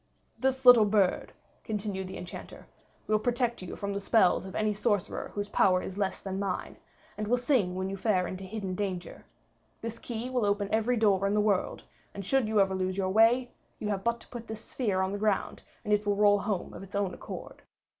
"This little bird," continued the Enchanter, "will protect you from the spells of any sorcerer whose power is less than mine, and will sing when you fare into hidden danger; this key will open every door in the world; and should you ever lose your way, you have but to put this sphere on the ground, and it will roll home of its own accord.